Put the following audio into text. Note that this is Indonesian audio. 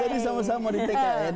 sama sama di tkn